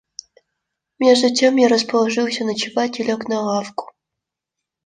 Между тем я расположился ночевать и лег на лавку.